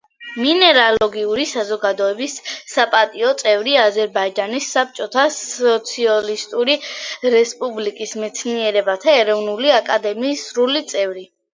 მინერალოგიური საზოგადოების საპატიო წევრი, აზერბაიჯანის საბჭოთა სოციალისტური რესპუბლიკის მეცნიერებათა ეროვნული აკადემიის სრული წევრი.